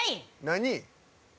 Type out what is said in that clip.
何？